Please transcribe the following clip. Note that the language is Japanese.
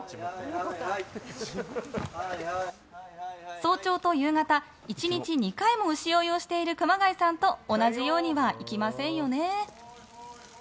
早朝と夕方１日２回も牛追いをしている熊谷さんと同じようにはいきませんよね。